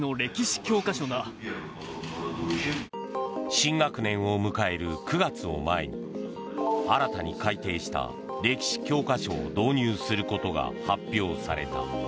新学年を迎える９月を前に新たに改訂した歴史教科書を導入することが発表された。